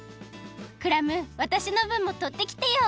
クラムわたしのぶんもとってきてよ。